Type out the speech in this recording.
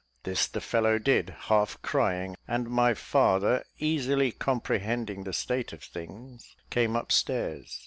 This the fellow did, half crying, and my father, easily comprehending the state of things, came upstairs.